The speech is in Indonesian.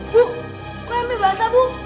bu kok yang ambil basah bu